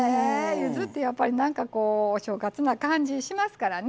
ゆずって、やっぱり正月な感じがしますからね。